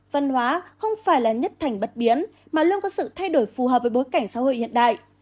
văn hóa không phải là nhất thành bất biến mà luôn có sự thay đổi phù hợp với bối cảnh xã hội hiện đại